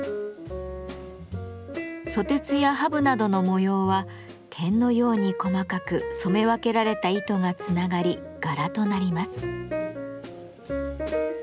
蘇鉄やハブなどの模様は点のように細かく染め分けられた糸がつながり柄となります。